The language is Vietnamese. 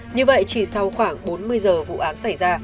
như vậy chỉ sau khoảng bốn mươi giờ vụ án xảy ra